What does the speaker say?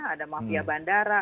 ada mafia bandara